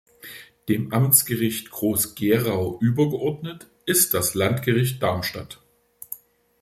Dem Amtsgericht Groß-Gerau übergeordnet ist das Landgericht Darmstadt.